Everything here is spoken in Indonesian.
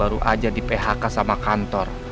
baru aja di phk sama kantor